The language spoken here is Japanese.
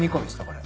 これ。